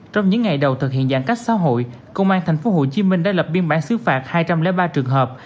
trong những ngày đầu thực hiện giãn cách xã hội công an tp hcm đã lập biên bản xứ phạt hai trăm linh ba trường hợp